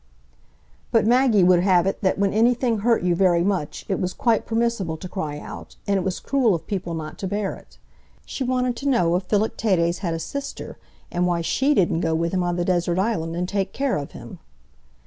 But Maggie would have it that when anything hurt you very much, it was quite permissible to cry out, and it was cruel of people not to bear it. She wanted to know if Philoctetes had a sister, and why she didn't go with him on the desert island and take care of him.